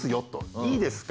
いいですか？